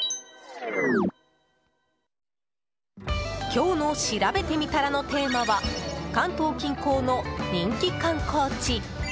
今日のしらべてみたらのテーマは関東近郊の人気観光地。